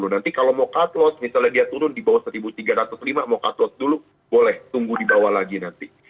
nanti kalau mau cut loss misalnya dia turun di bawah satu tiga ratus lima mau cut loss dulu boleh tunggu dibawa lagi nanti